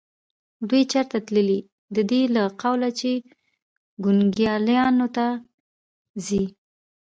دوی چېرې تلې؟ د دې له قوله چې کونګلیانو ته ځي.